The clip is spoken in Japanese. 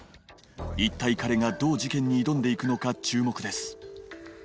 一体彼がどう事件に挑んで行くのか注目です